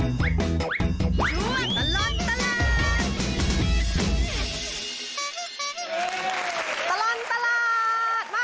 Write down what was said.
ส่วนตลอดตลาด